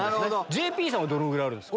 ＪＰさんはどのぐらいですか？